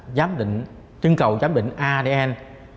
là giám định chứng cầu giám định adn